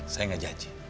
saya nggak janji